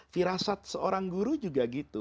firasat seorang guru juga gitu